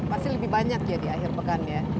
pasti lebih banyak ya di akhir pekan ya